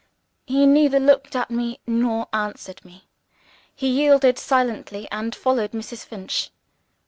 He neither looked at me nor answered me he yielded silently and followed Mrs. Finch.